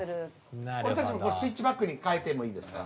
俺たちもスイッチバックに変えてもいいですか？